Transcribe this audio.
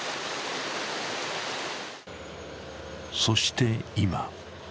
そして、今。